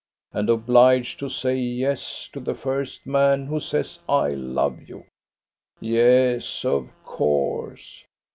And obliged to say ' yes ' to the first man who says, *I love you.' Yes, of course.